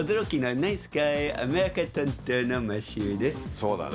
そうだね。